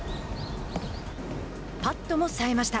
パットもさえました。